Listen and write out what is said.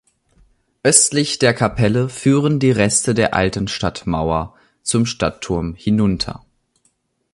Östlich der Kapelle führen die Reste der alten Stadtmauer zum Stadtturm hinunter.